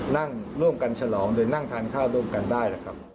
นั่งร่วมกันฉลองโดยนั่งทานข้าวร่วมกันได้นะครับ